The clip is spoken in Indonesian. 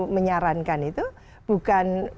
menyarankan itu bukan